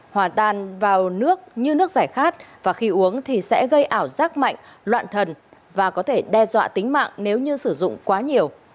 hòa tan vào nước như nước giải khát và khi uống thì sẽ gây ảo giác mạnh loạn thần và có thể đe dọa tính mạng nếu như sử dụng quá nhiều